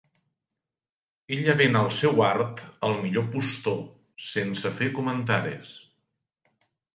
Ella ven el seu art al millor postor sense fer comentaris.